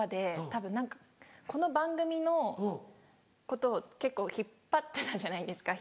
たぶん何かこの番組のことを結構引っ張ってたじゃないですか。